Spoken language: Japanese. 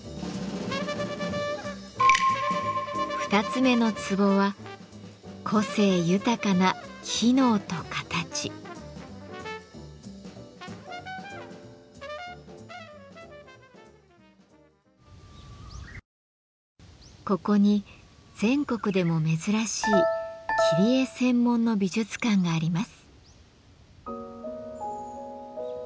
２つ目の壺はここに全国でも珍しい切り絵専門の美術館があります。